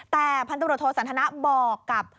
แต่พันตำรวจโทสันทนะบอกกับ